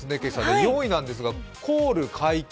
４位なんですが、コール解禁。